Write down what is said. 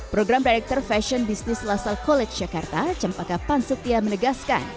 program director fashion business lasal college jakarta cem pagkapan setia menegaskan